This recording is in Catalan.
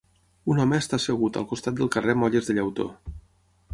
Un home està assegut al costat del carrer amb olles de llautó.